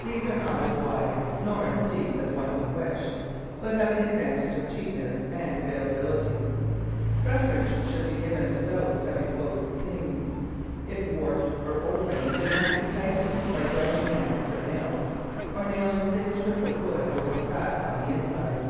These are not as wide nor as deep as one could wish, but have the ad Digitized by Google 96 The Flower Garden [Chapter vantage of cheapness and availability. Preference should be given to those having close seams. If warped or open they must be tightened by driving in extra nails, or nailing thin strips of wood over the cracks on the inside.